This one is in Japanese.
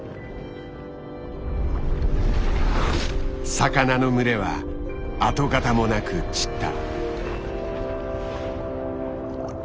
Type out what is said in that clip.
魚の群れは跡形もなく散った。